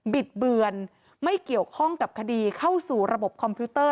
ิดเบือนไม่เกี่ยวข้องกับคดีเข้าสู่ระบบคอมพิวเตอร์